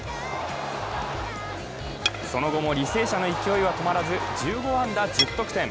その後も履正社の勢いは止まらず、１５安打１０得点。